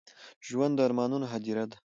ژوند د ارمانونو هديره ده.